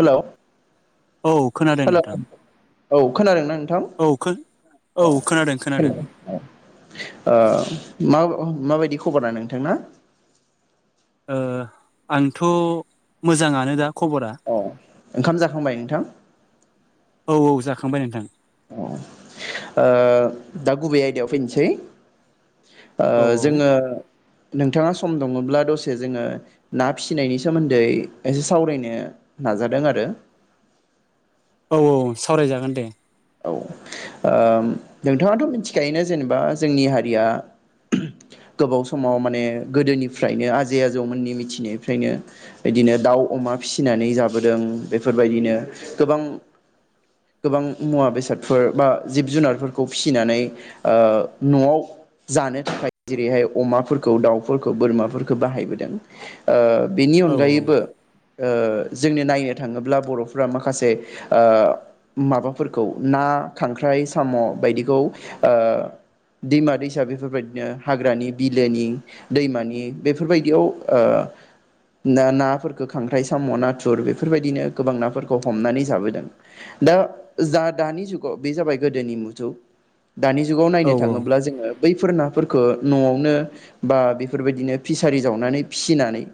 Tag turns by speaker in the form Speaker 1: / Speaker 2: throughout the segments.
Speaker 1: हेल'
Speaker 2: औ खोनादों नोंथां
Speaker 1: औ खोनादों ना नों? थां
Speaker 2: औ खो
Speaker 1: औ
Speaker 2: खोनादों खोनादों
Speaker 1: हेलौ औ ओ [unintelligible] अ माबायदि खबारा नोंथांना
Speaker 2: ओ आंथ' मोजाङानो दा खबरा
Speaker 1: अ ओंखाम जाखांबाय नोंथां
Speaker 2: खांबाय नोंथां
Speaker 1: अ ओ दा गुबै आयदायाव फैनोसै ओ
Speaker 2: औ औ
Speaker 1: जोङो नोंथाङा सम दङब्ला दसे जोङो ना फिसिनायनि सोमोन्दै एसे सावरायनो नाजादों आरो
Speaker 2: औ औ सावरायजागोन दे।
Speaker 1: औ ओ नोंथाङाथ' मिथिखायोना जेनेबा जोंनि हारिया गोबाव समाव माने गोदोनिफ्रायनो आजै आजौमोननि मिथिनायनिफ्रायनो बिदिनो दाउ अमा फिसिनानै जाबोदों। बेफोरबायदिनो गोबां गोबां मुवा बेसादफोर बा जिब जुनारफोरखौ फिसिनानै ओ न'आव जानो थाखाय जेरैहाय अमाफोरखौ दाउफोरखौ बोरमाफोरखौ बाहायबोदों। ओ बेनि
Speaker 2: औ
Speaker 1: अनगायैबो ओ जोंनो नायनो थाङोब्ला बर'फोरा माखासे ओ माबा फोरखौ ना, खांख्राइ, साम'' बायदिखौ ओ दैमा दैसा बेफोरबायदिनो हाग्रानि बिलोनि दैमानि बेफोरबायदियाव ओ ना-नाफोरखौ खांख्राइ साम' नाथुर बेफोरबायदिनो गोबां नाफोरखौ हमनानै जाबोदों। दा जा दानि जुगाव बे जाबाय गोदोनि मुजौ दानि जुगाव
Speaker 2: औ
Speaker 1: नायनो थाङोब्ला जोङो बैफोर नाफोरखौ न'आवनो बा बेफोरबायदिनो फिसारि जावनानै फिसिनानै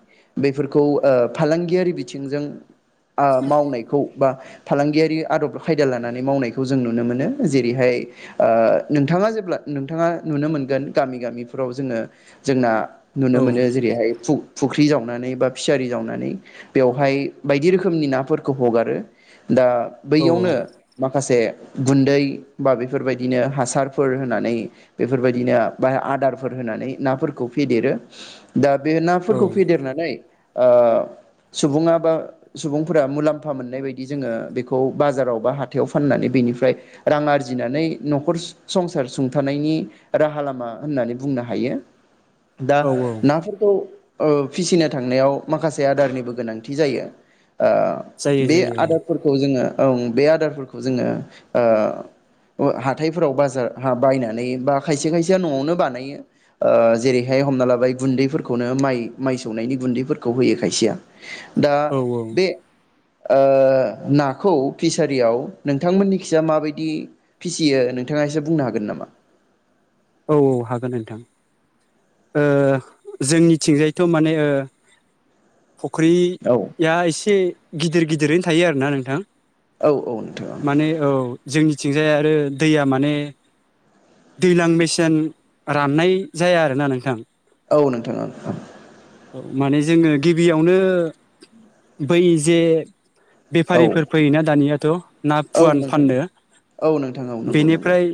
Speaker 1: बेफोरखौ ओ फालांगियारि बिथिंजों ओ मावनायखौ बा फालांगियारि आदब खायदा लानानै मावनायखौ जों नुनो मोनो। जेरैहाय ओ नोंथाङा जेब्ला नोंथाङा नुनो मोनगोन गामि गामिफ्राव जोङो जोंना
Speaker 2: औ
Speaker 1: नुनो मोनो जेरैहाय फु-फु फुख्रि जावनानै बा फिसारि जावनानै बेवहाय बायदि रोखोमनि नाफोरखौ हगारो। दा बैयावनो माखासे गुन्दै बा बेफोरबायदिनो हासारफोर होनानै बेफोरबायदिनो बा आदारफोर होनानै नाफोरखौ फेदेरो। दा बे
Speaker 2: औ
Speaker 1: नाफोरखौ फेदेरनानै ओ सुबुङा बा सुबुंफोरा मुलाम्फा मोननाय बायदि जोङो बेखौ बाजाराव बा हाथायाव फाननानै बेनिफ्राय रां आरजिनानै न'खर स-संसार सुंथानायनि राहा लामा होननानै बुंनो हायो। बा दा
Speaker 2: औ औ
Speaker 1: ना फोरखौ ओ फिसिनो थांनायाव माखासे आदारनिबो गोनांथि जायो। ओ
Speaker 2: जायो
Speaker 1: बे
Speaker 2: जायो औ
Speaker 1: आदबफोरखौ जोङो ओं बे आद दारफोरखौ जोङो ओ हाथाइफोराव बाजार बायनानै बा खायसे खायसेया न'आवनो बानायो। ओ जेरैहाय हमना लाबाय गुन्दैफोरखौनो माइ माइ सौनायनि गुन्दैफोरखौ होयो खायसेया दा
Speaker 2: औ
Speaker 1: बे ओ नाखौ फिस सारियाव नोंथांमोननि खिजा माबायदि फिसियो नोंथाङा एसे बुंनो हागोन नामा?
Speaker 2: औ औ हागोन नोंथां ओ जोंनिथिंजायथ' माने ओ फुख्रि
Speaker 1: औ
Speaker 2: या एसे गिदिर गिदिरैनो थायो आरो ना नोंथां।
Speaker 1: औ औ नोंथां
Speaker 2: माने औ जोंनि थिंजाय आरो दैया माने दैज्लां मेसे सें राननाय जाया आरोना नोंथां।
Speaker 1: औ नोंथां ओं।
Speaker 2: औ माने जोङो गिबियावनो बै जे
Speaker 1: औ
Speaker 2: बेफारिफोर फैयोना दानिया त ना फुवान
Speaker 1: नोंथां
Speaker 2: फाननो।
Speaker 1: औ नोंथां औ नंगौ नंगौ
Speaker 2: बेनिफ्राय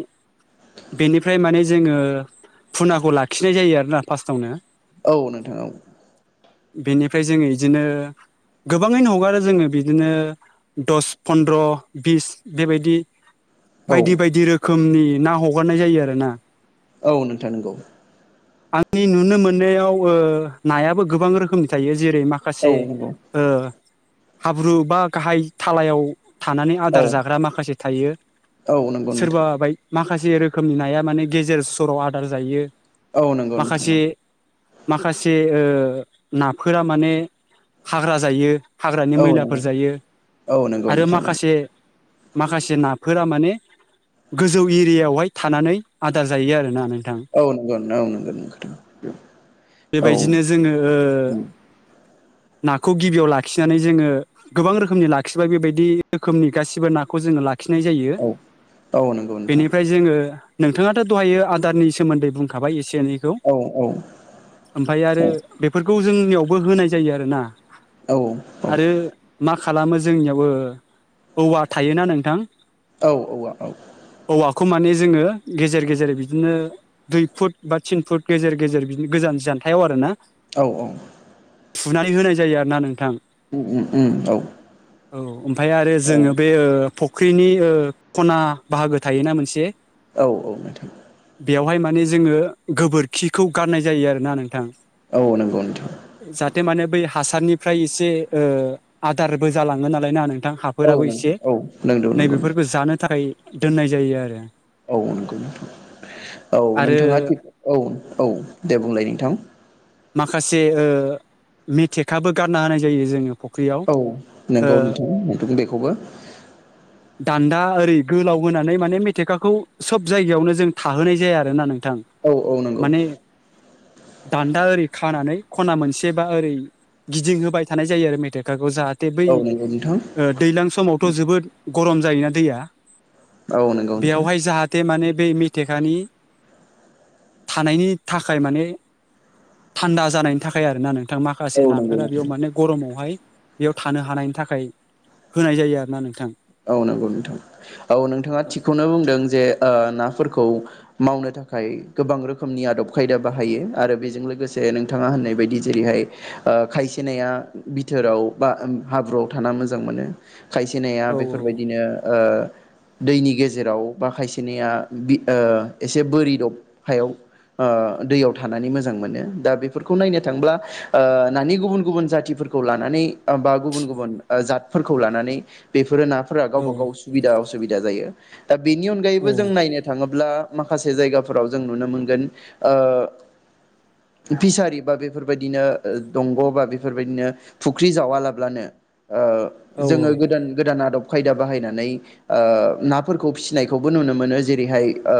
Speaker 2: बेनिफ्राय माने जोङो फुनाखौ लाखिनाय जायो आरोना फार्स्टावनो।
Speaker 1: औ नोंथां औ।
Speaker 2: बेनिफ्राय जोंङो बिदिनो गोबाङैनो हगारो जोंङो बिदिनो दस फनन्द्र बिस बेबायदि
Speaker 1: औ
Speaker 2: बायदि बायदि रोखोमनि ना हगारनाय जायो आरो ना
Speaker 1: औ नोंथां नंगौ
Speaker 2: आंनि नुनो मोननायाव ओ नायाबो गोबां रोखोमनि थायो जेरै
Speaker 1: औ
Speaker 2: माखासे
Speaker 1: नंगौ
Speaker 2: ओ हाब्रु बा गाहाय थालायाव थानानै
Speaker 1: औ
Speaker 2: आदार जाग्रा माखासे थायो
Speaker 1: औ नंगौ
Speaker 2: सोरबा
Speaker 1: नोंथां
Speaker 2: बाय माखासे रोखोमनि नाया माने गेजेर सराव आदार जायो
Speaker 1: औ नंगौ नोंथां औ
Speaker 2: माखासे माखासे जे ओनाफोरा माने हाग्रा जायो हाग्रानि
Speaker 1: औ
Speaker 2: मैलाफोर
Speaker 1: नंगौ
Speaker 2: जायो
Speaker 1: औ नंगौ
Speaker 2: आरो
Speaker 1: नोंथां नंगौ
Speaker 2: माखासे माखासे नाफोरा माने गोजौ एरियायावहाय थानानै आदार जायो आरोना नों
Speaker 1: औ नंगौ [inaudible]
Speaker 2: बेबायजिनो जोंङो ओ। नाखौ गिबियाव लाखिनानै जोंङो गोबां रोखोमनि लाखिबाय बेबायदि रोखोमनि गासिबो नाखौ जोंङो लाख खिनाय जायो
Speaker 1: औ औ नंगौ नोंथां
Speaker 2: बेनिफ्राय जोंङो। नोंथाङाथ दहायायो आदारनि सोमोन्दै बुंखाबाय एस सेनैखौ
Speaker 1: औ औ
Speaker 2: ओमफाय आरो बेफोरखौ। जोंनियावबो होनाय जायो आरोना।
Speaker 1: औ
Speaker 2: आरो मा खालामो जोंनियावबो औवा थायोना नोंथां।
Speaker 1: औ औवा औ।
Speaker 2: खुमानि जोंङो गेजेर-गेजेर बिदिनो दुइ फुट बा थिन फुट गेजेर-गेजेर बिदि गोजान जानथायाव आरो ना।
Speaker 1: औ-औ।
Speaker 2: फुनानै होनाय जायो आरो ना नोंथां।
Speaker 1: उम-उम औ।
Speaker 2: औ। ओमफाय आरो जोंङो बे ओ। फुख्रिनि ओ खना बाहागो थायोना मोनसे।
Speaker 1: औ-औ मेथाम।
Speaker 2: बेवहाय माने जोंङो गोबोरखिखौ गारनाय जायो आरोना नोंथां।
Speaker 1: औ नंगौ नोंथां।
Speaker 2: जाहाथे माने बै हा हासारनिफ्राय एसे ओ आदारबो जालाङो नालाय ना नों थां
Speaker 1: औ
Speaker 2: हाफोराबो एसे
Speaker 1: नंगौ नंगौ
Speaker 2: नैबेफोरखौ जानो थाखाय। दोननाय जायो आरो।
Speaker 1: औ नंगौ नोंथां औ
Speaker 2: आरो
Speaker 1: नोंथाङा थिख औ औ। दे बुंलाय नोंथां।
Speaker 2: माखासे ओ मेथेखाबो गारना होनाय जायो जोङो। फुख्रियाव
Speaker 1: औ
Speaker 2: ओ
Speaker 1: नोंगौ नोंथां नोंथां बे खौबो
Speaker 2: दान्दा ओरै गोलाव होनानै माने मेथेखाखौ सोब जायगायावनो जों थाहोनाय जाया आरोना नों
Speaker 1: औ औ नंगौ।
Speaker 2: दान्दा ओरै खानानै खना मोनसे बा ओरै गिदिंहोबाय थानाय जायो आरो मेथाइखाखौ जाहाथ थे बै
Speaker 1: औ नंगौ नोंथां
Speaker 2: ओ दैलां समावथ' जोबोद गरम जायोना दैया
Speaker 1: औ नंगौ नोंथां
Speaker 2: बेयावहाय जाहाथे माने बे मेथेखानि थानायनि थाखाय माने थान्दा जानायनि थाखाय आरोना नों थां
Speaker 1: औ
Speaker 2: माखासे
Speaker 1: नंगौ
Speaker 2: नाफोरा बेयाव
Speaker 1: नोंथां
Speaker 2: माने गरमावहाय बेयाव थानो हानायनि थाखाय होनाय जायो आरो ना नोंथां
Speaker 1: औ नंगौ नोंथां औ नोंथाङा थिगखौनो बुंदों जे ओ नाफोरखौ खौ मावनो थाखाय गोबां रोखोमनि आदब खायदा बाहायो आरो बेजों लोगोसे नोंथाङा होननाय बायदि जेरैहाय ओ खायसे नाया बिथोराव बा हाब्रुआव थाना मोजां मोनो खायसे नाया
Speaker 2: औ
Speaker 1: बे फोरबायदिनो ओ दैनि गेजेराव बा खायसेनिया बि ओ एसे बोरि दब हायाव ओ दैयाव थानानै मोजां मोनो दा बेफोरखौ नायनो थांब्ला ओ नानि गुबुन गुबुन जाथिफोरखौ लानानै बा गुबुन गुबुन जातफोरखौ लानानै बेफोरो ना फोरा
Speaker 2: औ
Speaker 1: गावबा गाव सुबिदा असुबिदा जायो। दा बेनि
Speaker 2: औ
Speaker 1: अनगायैबो जों नायनो थाङोब्ला माखासे जायगाफोराव जों नुनो मोनगोन ओ फिसारि बा बेफोरबायदिनो दंग' बा बेफोरबायदिनो फुख्रि जावालाब्लानो ओ
Speaker 2: औ
Speaker 1: जोङो गोदान गोदान आदब खायदा बाहायनानै ओ नाफोरखौ फिसिनायखौबो नुनो मोनो जेरैहाय ओ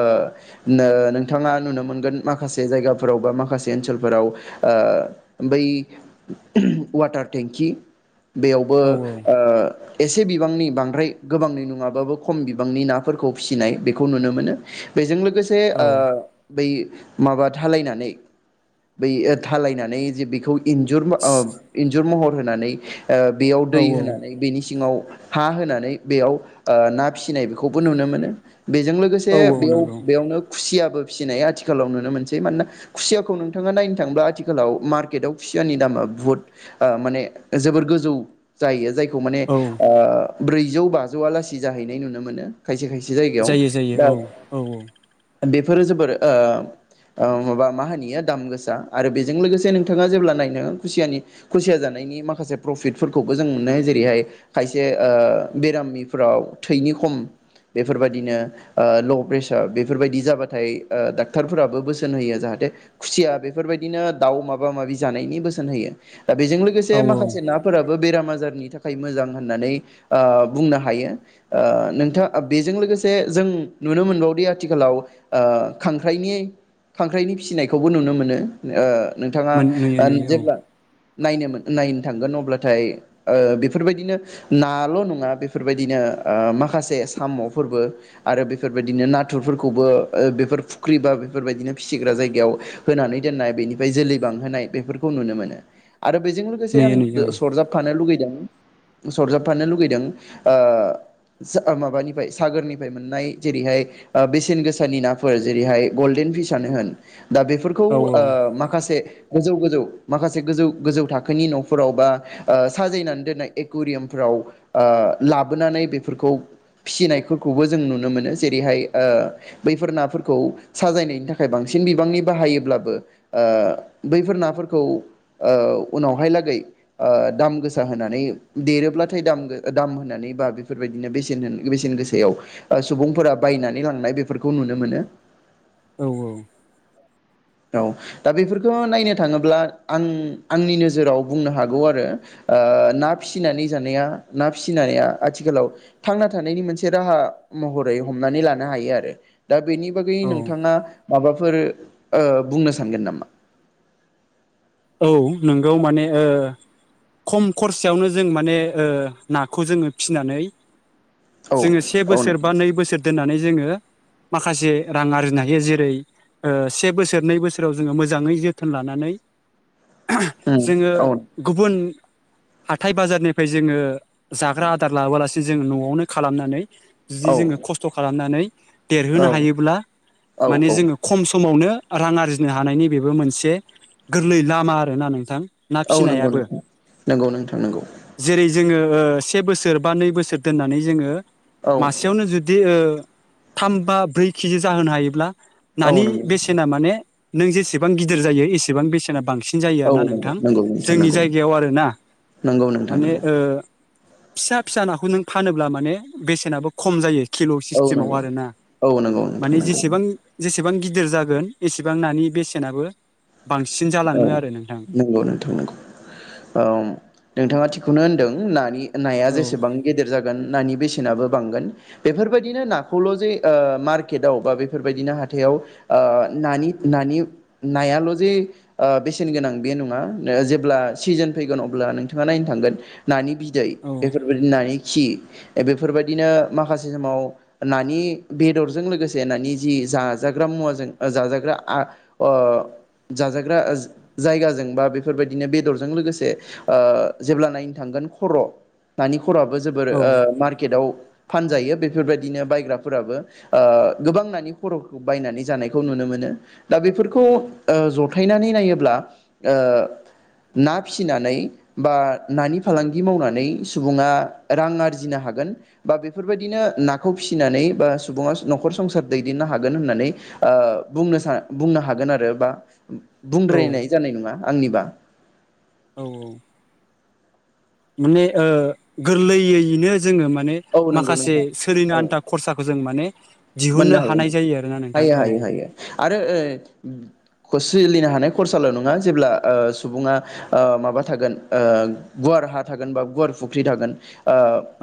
Speaker 1: नो नोंथाङा नुनो मोनगोन माखासे जायगाफोराव बा माखासे ओनसोलफोराव ओ बै वाटार टेंकि बेयावबो
Speaker 2: औ
Speaker 1: ओ एसे बिबांनि बांद्राय गोबांनि नङाबाबो खम बिबांनि नाफोरखौ फिसिनाय बेखौ नुनो मोनो बेजों लोगो गोसे
Speaker 2: औ
Speaker 1: ओ बै माबा थालायनानै बै ओ थालायनानै जे बेखौ इन्जुर ओ इन्जुर महर होनानै ओ बेयाव दै
Speaker 2: औ
Speaker 1: होनानै बिनि सिङाव [inaudible] हा होनानै बेयाव ओ ना फिसिनाय बेखौबो नुनो मोनो। बेजों
Speaker 2: औ
Speaker 1: लोगोसे बेयाव
Speaker 2: नंगौ
Speaker 1: बेयावनो खुसिया फिसिनाय आथिखालाव नुनो मोनसै मानोना खुसियाखौ नोंथाङा नायनो थाब्ला आथिखालाव मार्केटआव खुसियानि दामा बुहुत माने जोबोर गोजौ जायो जाय खौ माने
Speaker 2: औ
Speaker 1: ओ ब्रैजौ बाजौआ लासि जाहैनाय नुनो मोनो। खायसे-खायसे जायगायाव
Speaker 2: जायो जायो
Speaker 1: दा
Speaker 2: औ औ
Speaker 1: बे फोरो जोबोर ओ ओ माबा मा होनो बेयो दाम गोसा आरो बेजों लोगोसे नोंथाङा जेब्ला नायनो खुसियानि खुसिया जानायनि माखासे प्रफिटफोरखौबो जों मोननो जेरैहाय खायसे ओ बेरामिफ्राव थैनि खम बेफोरबायदिनो ओ ल' प्रेसार बेफोरबायदि जाबाथाय ओ डाक्टरफोराबो बोसोन होयो जाहाथे खुसिया बेफोरबायदिनो दाउ माबा माबि जानायनि बोसोन होयो। दा बेजों लोगोसे
Speaker 2: औ
Speaker 1: माखासे नाफोराबो बेरामा बाजारनि थाखाय मोजां होननानै ओ बुंनो हायो ओ नोंथां बेजों लोगोसे जों नुनो मोनबावोदि आथिखालाव ओ खांख्राइनि खांख्राइनि फिसिनायखौबो नुनो मोनो ओ नोंथाङा
Speaker 2: मोन नुयो
Speaker 1: ओ
Speaker 2: नुयो औ
Speaker 1: जेब्ला नायनो नायनो थांगोन अब्लाथाय ओ बेफोरबायदिनो नाल' नङा बेफोरबायदिनो ओ माखासे साम'फोरबो आरो बेफोरबायदिनो नाथुरफोरखौबो बेफोर फुख्रि बा बेफोरबायदिनो फिसिग्रा जायगायाव होनानै दोननाय बेनिफ्राय जोलै बांहोनाय बेफोरखौ नुनो मोनो। आरो बेजों लोगोसे आं
Speaker 2: नुयो नुयो औ
Speaker 1: सरजाबफानो लुगै [unintelligible] सरजाबफानो लुुबैदों ओ माबानिफ्राय सागोरनिफ्राय मोननाय जेरैहाय बेसेन गोसानि नाफोर जेरैहाय गलडेन फिसनो होन दा बेफोरखौ
Speaker 2: औ
Speaker 1: ओ
Speaker 2: औ
Speaker 1: माखासे गोजौ गोजौ माखासे गोजौ गोजौ थाखोनि न'फोराव बा ओ साजायनानै दोननाय एकुवरियाम फ्राव लाबोनानै बेफोरखौ फिसिनायफोरखौबो जों नुनो मोनो ।जेरैहाय ओ बैफोर नाफोरखौ साजायनायनि थाखाय बांसिन बिबांनि बाहायोब्लाबो ओ बैफोर नाफोरखौ ओ उनावहायलागै दाम गोसा होनानै देरोब्ला दाम दाम होनानै बा बेफोरबायदिनो बेसे बेसेन गोसायाव सुबुंफोरा बायनानै लांनाय बेफोरखौ नुनो मोनो।
Speaker 2: औ औ
Speaker 1: औ दा बेफोरखौ नायनो थाङोब्ला आं आंनि नोजोराव बुंनो हागौ आरो ओ ना फिसिनानै जानाया ना फिसिनाया आथिखालाव थांना थानायनि मोनसे राहा महरै हमनानै लानो हायो आरो। दा बेनि बागै
Speaker 2: औ
Speaker 1: नोंथाङा माबा [unintelligible] ओ बुंनो सानगोन नामा?
Speaker 2: औ नोंगौ माने ओ खम खरसयावनो जों माने नाखौ जोङो फिनानै
Speaker 1: औ
Speaker 2: जोङो से
Speaker 1: औ
Speaker 2: बोसोर बा
Speaker 1: नोंथां
Speaker 2: नै बोसोर दोननानै जोङो माखासे रां आरजिनो हायो जेरै ओ से बोसोर नै बोसोराव जोङो मोजाङै जोथोन लानानै [unintelligible]
Speaker 1: उम
Speaker 2: जोङो
Speaker 1: औ
Speaker 2: गुबुन हाथाय बाजारनिफ्राय जोङो जाग्रा आदार लाबोलासिनो जोंङ न'आवनो खालामनानै बिदि जोङो
Speaker 1: औ
Speaker 2: खस्थ' खालामनानै देरहोनो
Speaker 1: औ
Speaker 2: हायोब्ला
Speaker 1: औ
Speaker 2: माने
Speaker 1: औ
Speaker 2: जोङो खम समावनो रां आरजिनो हानायनि बेबो मोनसे गोरलै लामा आरोना नोंथां। ना
Speaker 1: औ नोंगौ
Speaker 2: फिसिनायाबो
Speaker 1: नोंथां नोंगौ नोंथां नोंगौ।
Speaker 2: जेरै जोङो ओ से बोसोर बा नै बोसोर दोननानै जोङो
Speaker 1: औ
Speaker 2: मासेयावनो जुदि ओ थाम बा ब्रै केजि जाहोनो हायोब्ला
Speaker 1: औ
Speaker 2: नानि
Speaker 1: नंगौ नोंथां
Speaker 2: बेसेना माने नों जेसेबां गिदिर जायो एसेबां बेसे सेना बांसिनगोन। सिन जायो
Speaker 1: औ
Speaker 2: आरोना नोंथां
Speaker 1: नंगौ नंगौ नोंथां
Speaker 2: जोंनि
Speaker 1: नंगौ
Speaker 2: जायगायाव आरोना
Speaker 1: नंगौ नोंथां
Speaker 2: माने
Speaker 1: नंगौ
Speaker 2: ओ फिसा फिसा नाखौ नों फानोब्ला माने बेसेनाबो खम जायो। खेल'
Speaker 1: औ
Speaker 2: सिस्टेमाव
Speaker 1: नंगौ
Speaker 2: आरोना
Speaker 1: औ नंगौ नोंथां
Speaker 2: माने
Speaker 1: नंगौ
Speaker 2: जेसेबां सेबां गिदिर जागोन एसेबां नानि बेसेनाबो बांगोन।
Speaker 1: औ नोंगौ नोंथां औ नोंथाङा थिगखौनो होनदों। ओं नानि नाया
Speaker 2: औ
Speaker 1: जेसेबां गिदिर जागोन नानि बेसेनाबो बांगोन बेफोरबायदिनो नाखौल' जे ओ मार्केटआव बा बेफोरबायदिनो हाथायाव ओ नानि नानि नायाल' जे ओ बेसेन गोनां बे नङा ओ जेब्ला सिजोन फैगोन अब्ला नोंथाङा नायनो थांगोन नानि बि दै
Speaker 2: औ
Speaker 1: बेफोर बादि नानि खि बेफोरबायदिनो माखासे समाव नानि बेदरजों लोगोसे नानि जि जाजाग्रा मुवाजों जाजाग्रा आ ओ जाजा ग्रा ज जायगाजों बा बेफोरबायदिनो बेदरजों लोगोसे ओ जेब्ला नायनो थांगोन खर' नानि खरआबो जोबोर
Speaker 2: औ
Speaker 1: ओ मार्केटाव फानजायो बेफोरबायदिनो बायग्राफोराबो ओ गोबां नानि खर'फोरखौ बायनानै जानायखौ नुनो मोनो दा बेफोरखौ ओ ज थायनानै नायोब्ला ओ ना फिसिनानै बा नानि फालांगि मावनानै सुबुङा रां आरजिनो हागोन बा बेफोरबायदिनो नाखौ फिसिनानै बा सुबुङा न'खर संसार दैदेननो हागोन होननानै ओ बुंनो सा बुंनो हागोन आरो बा
Speaker 2: औ
Speaker 1: बुंद्रायनाय जानाय नङा आंनिबा
Speaker 2: औ औ। माने ओ गोरलैयैनो जोङो माने
Speaker 1: औ नंगौ
Speaker 2: माखासे
Speaker 1: नोंथां
Speaker 2: सोलिनो
Speaker 1: औ
Speaker 2: आन्था खरसाखौ जों माने दिहुननो
Speaker 1: मोननो हायो।
Speaker 2: हानाय जायो आरोना नोंथां
Speaker 1: हायो
Speaker 2: औ
Speaker 1: हायो हायो आरो ओ खस सोलिनो हानाय खरसाल' नङा जेब्ला ओ सुबुङा ओ माबा थागोन ओ गुवार हा थागोन बा गुवार फुख्रि थागोन ओ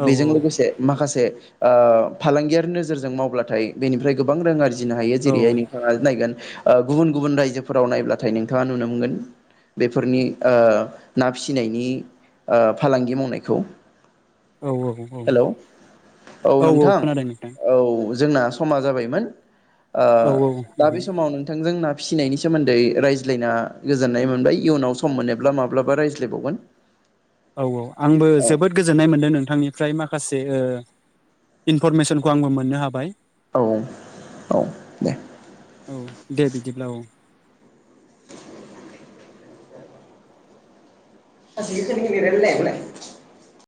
Speaker 2: औ
Speaker 1: बेजों लोगोसे माखासे ओ फालांगियारि नोजोरजों मावब्ला थाय बेनिफ्राय गोबां रां आरजि जिनो हायो
Speaker 2: औ
Speaker 1: जेरैहाय नोंथाङा नायगोन ओ गुबुन गुबुन रायजोफोराव नायब्लाथाय नोंथाङा नुनो मोनगोन बेफोरनि ओ ना फिसिनायनि ओ फालांगि मावनायखौ
Speaker 2: औ औ
Speaker 1: हेल' औ
Speaker 2: औ औ
Speaker 1: नोंथां
Speaker 2: खोनादों नोंथां
Speaker 1: औ जोंना समा जाबायमोन। ओ
Speaker 2: औ
Speaker 1: दा बे
Speaker 2: नोंथां
Speaker 1: समाव नोंथां जोंना फिसिनायनि सोमोन्दै रायज्लायना गोजोननाय मोनबाय इयुनाव सम मोनोब्ला माब्लाबा रायज्लायबावगोन।
Speaker 2: औ औ आंबो
Speaker 1: औ
Speaker 2: जोबोद गोजोननाय मोनदों नोंथांनि फ्राय माखासे ओ इनफरमेसनखौ आंबो मोननो हाबाय।
Speaker 1: औ औ औ दे।
Speaker 2: औ दे बिदिब्ला औ
Speaker 1: [unintelligible]